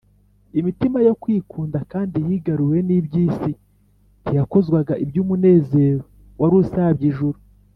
. Imitima yo kwikunda kandi yigaruriwe n’iby’isi ntiyakozwaga iby’umunezero wari usabye ijuru